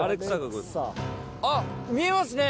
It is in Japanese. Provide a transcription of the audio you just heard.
あっ見えますね。